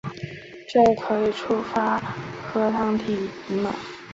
这可以触发核糖体移码。